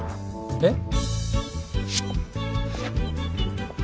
えっ？